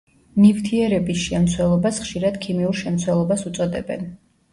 ნივთიერების შემცველობას ხშირად ქიმიურ შემცველობას უწოდებენ.